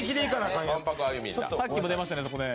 さっきも出ましたね、そこね。